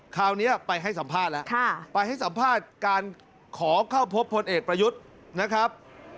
คราวนี้ไปให้สัมภาษณ์แล้วไปให้สัมภาษณ์การขอเข้าพบพลเอกประยุทธ์นะครับ